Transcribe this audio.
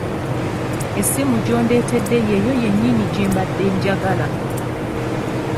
Essimu gy'ondeetedde yeyo yennyini gye mbadde njagala.